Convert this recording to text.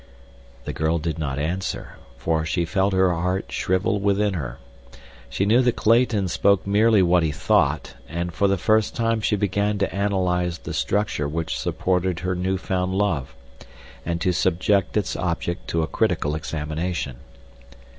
The girl did not answer, but she felt her heart shrivel within her. She knew that Clayton spoke merely what he thought, and for the first time she began to analyze the structure which supported her newfound love, and to subject its object to a critical examination.